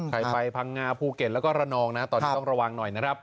ไปพังงาภูเก็ตแล้วก็ระนองนะตอนนี้ต้องระวังหน่อยนะครับ